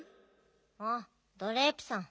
ああドレープさん。